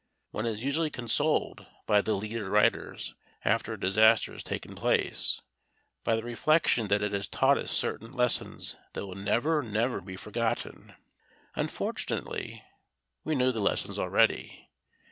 One is usually consoled by the leader writers, after a disaster has taken place, by the reflection that it has taught us certain lessons that will never, never be forgotten. Unfortunately, we knew the lessons already.